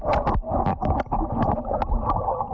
วันไหน